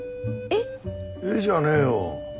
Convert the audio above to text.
えっじゃねえよ。